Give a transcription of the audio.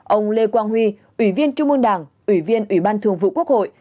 ông lê quang huy ủy viên trung ương đảng ủy viên ủy ban thường vụ quốc hội